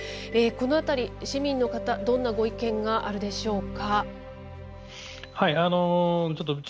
この辺り、市民の方どんなご意見があるでしょうか。